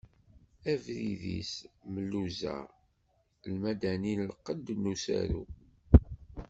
Abrid-is Mluza, Lmadani lqedd n usaru.